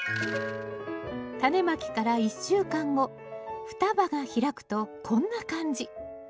タネまきから１週間後双葉が開くとこんな感じ。